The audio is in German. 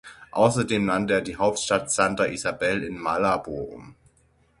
Außerdem nannte er die Hauptstadt Santa Isabel in Malabo um.